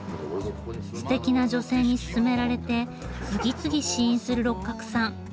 すてきな女性にすすめられて次々試飲する六角さん。